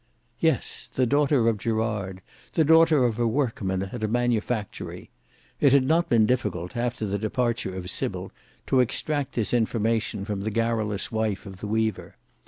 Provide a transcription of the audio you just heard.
Yes! the daughter of Gerard; the daughter of a workman at a manufactory. It had not been difficult, after the departure of Sybil, to extract this information from the garrulous wife of the weaver.